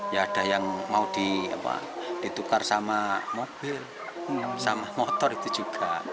ya ada yang mau ditukar sama mobil sama motor itu juga